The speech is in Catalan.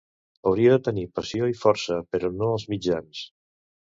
Hauria de tenir passió i força, però no els mitjans.